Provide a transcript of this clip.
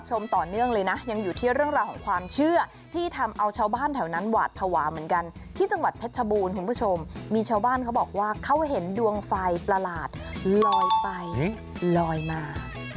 ศาวะเหมือนกันที่จังหวัดเพชรชบูรณ์คุณผู้ชมมีชาวบ้านเขาบอกว่าเขาเห็นดวงไฟประหลาดลอยไปลอยมา